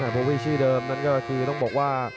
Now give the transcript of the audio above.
โบวี่ชื่อเดิมนั้นก็คือต้องบอกว่า